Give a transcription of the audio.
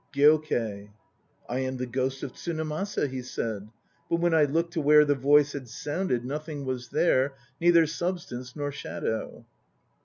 GYOKEI. "I am the ghost of Tsunemasa," he said, but when I looked to where the voice had sounded nothing was there, neither substance nor shadow